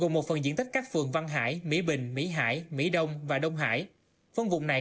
gồm một phần diện tích các phường văn hải mỹ bình mỹ hải mỹ đông và đông hải phân vùng này